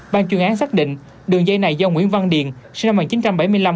ban chuyên án xác định đường dây này do nguyễn văn điền sinh năm một nghìn chín trăm bảy mươi năm